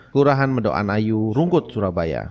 kurahan medokan ayu rungkut surabaya